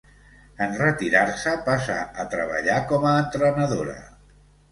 En retirar-se passà a treballar com a entrenadora.